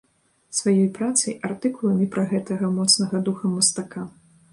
Сваёй працай, артыкуламі пра гэтага моцнага духам мастака.